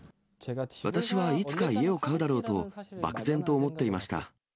私はいつか家を買うだろうと漠然と思っていました。